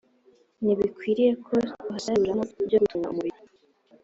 ntibikwiriye ko tuhasaruramo ibyo gutunga umubiri .